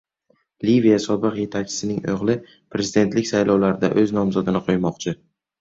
Liviya sobiq yetakchisining o‘g‘li prezidentlik saylovlarida o‘z nomzodini qo‘ymoqchi